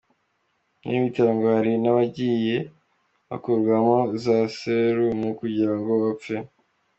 Muri ibi bitaro ngo hari n’abagiye bakurwamo za serumu kugira ngo bapfe.